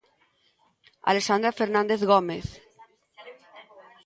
Alexandra Fernández Gómez.